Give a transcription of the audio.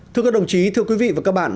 thưa các đồng chí thưa quý vị và các bạn